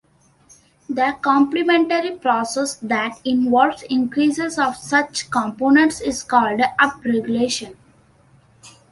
The complementary process that involves increases of such components is called upregulation.